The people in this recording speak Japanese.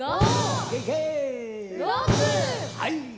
はい。